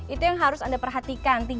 itu yang harus anda perhatikan